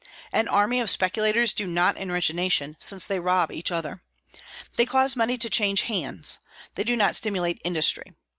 An army of speculators do not enrich a nation, since they rob each other. They cause money to change hands; they do not stimulate industry.